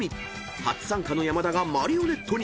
［初参加の山田がマリオネットに］